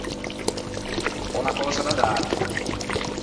Ò unna cösa da dâte.